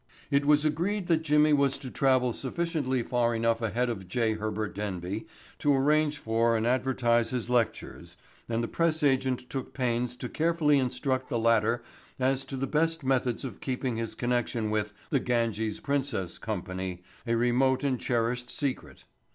It was agreed that Jimmy was to travel sufficiently far enough ahead of J. Herbert Denby to arrange for and advertise his lectures and the press agent took pains to carefully instruct the latter as to the best methods of keeping his connection with "The Ganges Princess" company a remote and cherished secret.